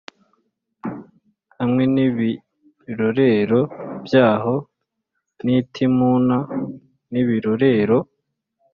hamwe n ibirorero byaho n i Timuna n ibirorero